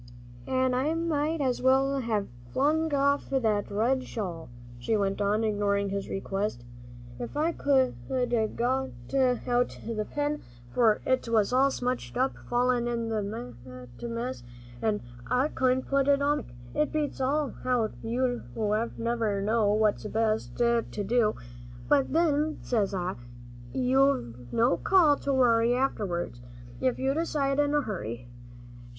"An' I might as well have flung off that red shawl," she went on, ignoring his request, "if I could a' got out that pin, for it was all smutched up, fallin' in that mess, an' I couldn't put it on my back. It beats all how you never know what's best to do; but then, says I, you've no call to worry afterwards, if you decide in a hurry.